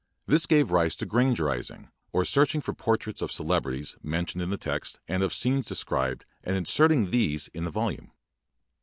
This gave rise to "granger izing", or searching for portraits of celebrities mentioned in Uie text and of scenes described and inserting these in the volume.